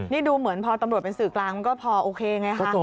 นี่ดูเหมือนพอตำรวจเป็นสื่อกลางมันก็พอโอเคไงคะ